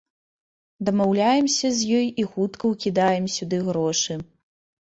Дамаўляемся з ёй і хутка ўкідаем сюды грошы.